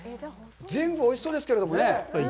全部、おいしそうですけれどもね。